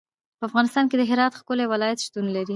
په افغانستان کې د هرات ښکلی ولایت شتون لري.